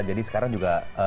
jadi sekarang juga